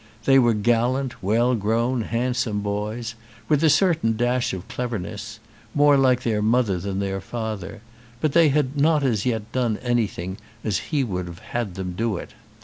They were gallant, well grown, handsome boys, with a certain dash of cleverness, more like their mother than their father; but they had not as yet done anything as he would have had them do it.